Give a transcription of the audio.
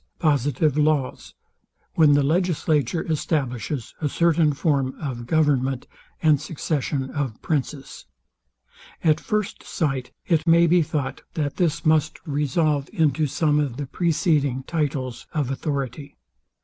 positive laws; when the legislature establishes a certain form of government and succession of princes. At first sight it may be thought, that this must resolve into some of the preceding titles of authority.